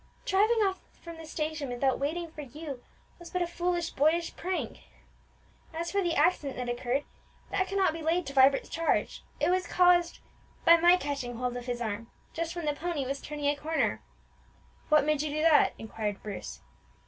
"Driving off from the station without waiting for you was but a foolish, boyish prank," pleaded Emmie. "As for the accident that occurred, that cannot be laid to Vibert's charge; it was caused by my catching hold of his arm just when the pony was turning a corner." "What made you do that?" inquired Bruce.